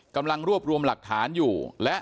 กำลังรวบรวมหลักฐานอยู่และ